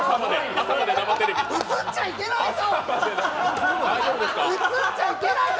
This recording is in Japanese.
映っちゃいけない顔。